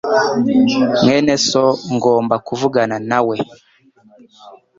mwene so, ngomba kuvugana nawe